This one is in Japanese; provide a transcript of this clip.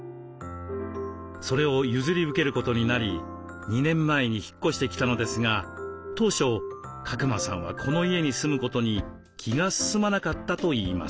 それを譲り受けることになり２年前に引っ越してきたのですが当初鹿熊さんはこの家に住むことに気が進まなかったといいます。